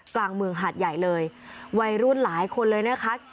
กลางเมืองหาดใหญ่เลยวัยรุ่นหลายคนเลยนะคะ